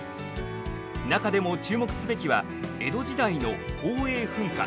中でも注目すべきは江戸時代の宝永噴火。